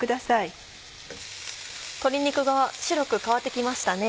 鶏肉が白く変わって来ましたね。